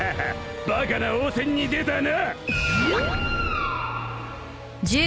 バカな応戦に出たな！